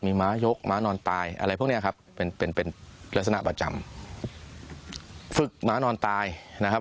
มีม้ายกม้านอนตายอะไรพวกเนี้ยครับเป็นเป็นลักษณะประจำฝึกม้านอนตายนะครับ